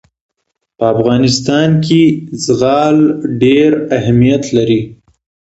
په افغانستان کې زغال ډېر اهمیت لري.